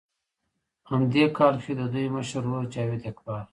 هم دې کال کښې د دوي مشر ورور جاويد اقبال